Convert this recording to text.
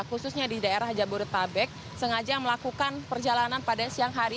khususnya di daerah jabodetabek sengaja melakukan perjalanan pada siang hari